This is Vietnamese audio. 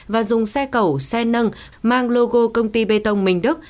và dùng xe cẩu xe nâng mang logo công ty bê tông mình đức